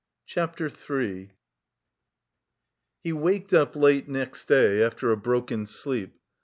CHAPTER III He waked up late next day after a broken sleep.